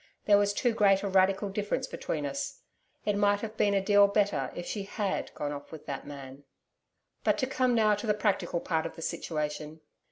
There was too great a radical difference between us. It might have been a deal better if she HAD gone off with that man. But to come now to the practical part of the situation.